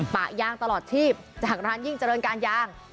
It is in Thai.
ปะยางตลอดชีพจากร้านยิ่งเจริญการยาง